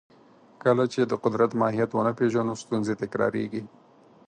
کله چې د قدرت ماهیت ونه پېژنو، ستونزې تکراریږي.